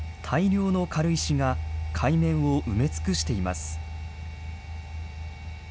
大量の軽石が、海面を埋め尽くしています。